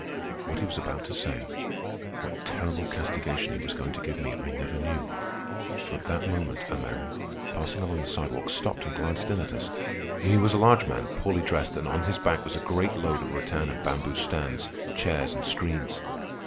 What he was about to say, what terrible castigation he was going to give me, I never knew; for at that moment a man, passing along the sidewalk, stopped and glanced in at us. He was a large man, poorly dressed, and on his back was a great load of rattan and bamboo stands, chairs, and screens.